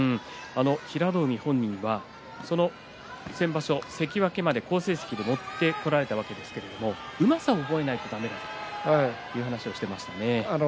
平戸海本人は先場所関脇まで好成績で持ってこられたわけですがうまさを覚えないとだめだという話をしていました。